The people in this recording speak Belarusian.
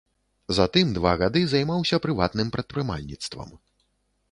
Затым два гады займаўся прыватным прадпрымальніцтвам.